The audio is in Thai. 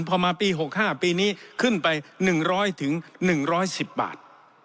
พอมาปี๖๕ปีนี้ขึ้นไป๑๐๐๑๑๐บาท